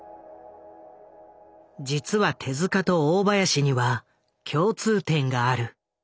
実は手と大林には共通点がある。